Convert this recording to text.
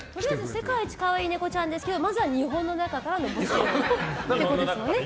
世界一かわいいネコちゃんですけどまずは日本の中から見つけるってことですよね？